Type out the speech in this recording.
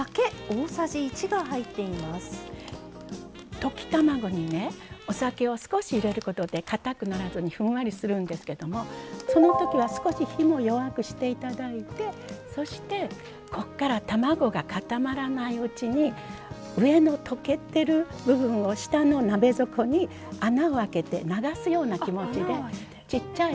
溶き卵にお酒を少し入れることでかたくもなくふんわりするんですけどもそのときは火も弱くしていただいてそして、ここから卵が固まらないうちに上の溶けてる部分を下の鍋底に穴をあけて流すような気持ちでちっちゃい。